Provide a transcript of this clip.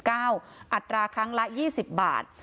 อัตราครั้งละ๒๐บาท